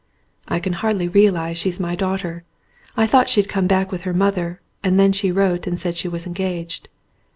"I can hardly realise she's my daughter. I thought she'd come back with her mother, and then she wrote and said she was engaged."